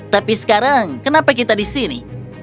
tapi sekarang kenapa kita di sini